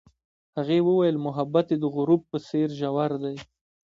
هغې وویل محبت یې د غروب په څېر ژور دی.